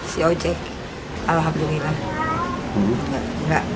si ojek alhamdulillah